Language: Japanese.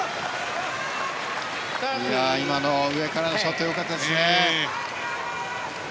今の上からのショットは良かったですね。